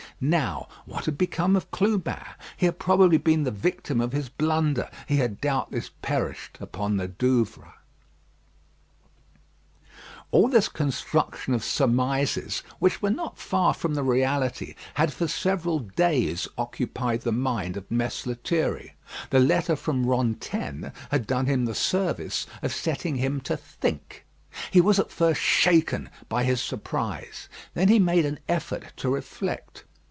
Now what had become of Clubin? He had probably been the victim of his blunder. He had doubtless perished upon the Douvres. All this construction of surmises, which were not far from the reality, had for several days occupied the mind of Mess Lethierry. The letter from Rantaine had done him the service of setting him to think. He was at first shaken by his surprise; then he made an effort to reflect.